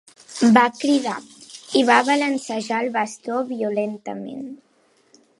Va cridar, i va balancejar el bastó violentament.